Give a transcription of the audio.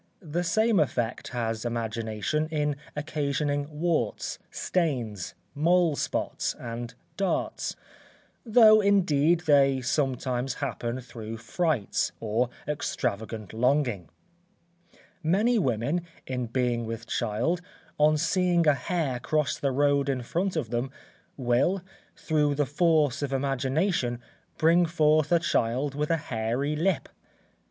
The same effect has imagination in occasioning warts, stains, mole spots, and dartes; though indeed they sometimes happen through frights, or extravagant longing. Many women, in being with child, on seeing a hare cross the road in front of them, will, through the force of imagination, bring forth a child with a hairy lip.